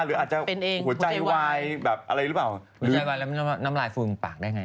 กลัวว่าผมจะต้องไปพูดให้ปากคำกับตำรวจยังไง